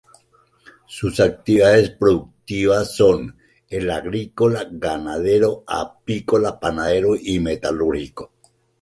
Sus actividades productivas son: el agrícola, ganadero, apícola, panadero y metalúrgico.